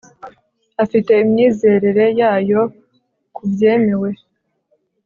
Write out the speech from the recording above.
afite imyizerere yayo ku byemewe